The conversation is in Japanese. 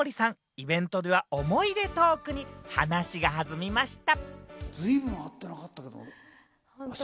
イベントでは思い出トークに話が弾みました。